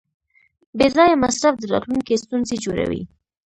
بېځایه مصرف د راتلونکي ستونزې جوړوي.